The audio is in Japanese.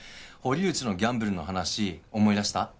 堀内のギャンブルの話思い出した？